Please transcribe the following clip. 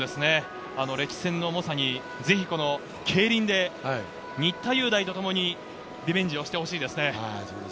歴史戦の重さにぜひこのケイリンで新田祐大とともにリベンジしてほしいですね。